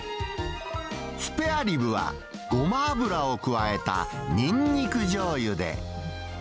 スペアリブは、ごま油を加えたニンニクじょうゆで。